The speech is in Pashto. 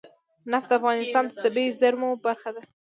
نفت د افغانستان د طبیعي زیرمو برخه ده.